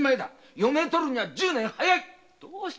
嫁取るのは１０年早い。